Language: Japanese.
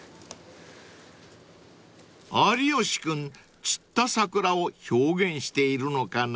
［有吉君散った桜を表現しているのかな？］